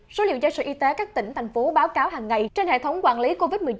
số liệu do sở y tế các tỉnh thành phố báo cáo hàng ngày trên hệ thống quản lý covid một mươi chín